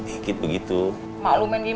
dikit begitu malumin nih mah